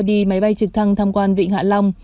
đi máy bay trực thăng tham quan vịnh hạ long